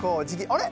あれ？